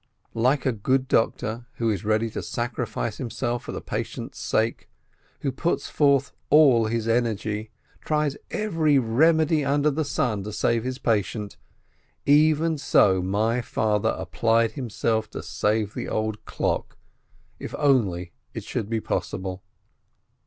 Like a good doctor, who is ready to sacrifice himself for the patient's sake, who puts forth all his energy, tries every remedy under the sun to save his patient, even so my father applied himself to save the old clock, if only it should be possible.